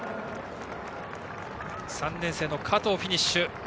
３年生の加藤、フィニッシュ。